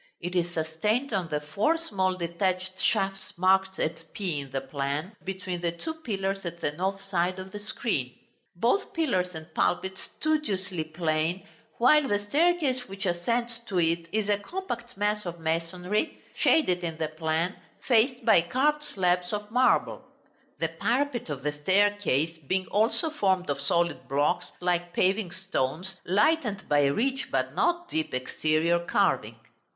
It is sustained on the four small detached shafts marked at p in the plan, between the two pillars at the north side of the screen; both pillars and pulpit studiously plain, while the staircase which ascends to it is a compact mass of masonry (shaded in the plan), faced by carved slabs of marble; the parapet of the staircase being also formed of solid blocks like paving stones, lightened by rich, but not deep, exterior carving.